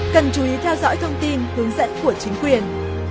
cần chú ý theo dõi thông tin hướng dẫn của chính quyền